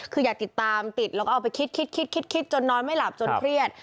คืออยากติดตามติดแล้วก็เอาไปคิดคิดคิดจนนอนไม่หลับจนเครียด